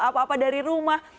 apa apa dari rumah